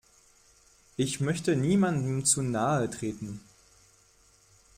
Ich möchte niemandem zu nahe treten.